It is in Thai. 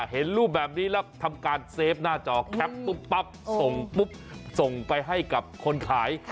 เห็นรูปแบบนี้แล้วทำการเซฟหน้าจอแคปปุ๊บปั๊บส่งปุ๊บส่งไปให้กับคนขาย